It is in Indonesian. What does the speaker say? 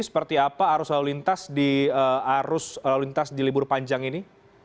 seperti apa arus lalu lintas di libur panjang ini